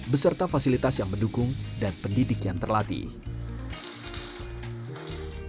beserta fasilitas yang mendukung dan pendidik yang terlatih